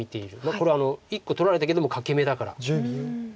これ１個取られたけども欠け眼だから。